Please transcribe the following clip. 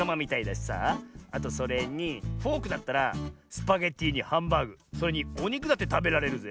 あとそれにフォークだったらスパゲッティにハンバーグそれにおにくだってたべられるぜ。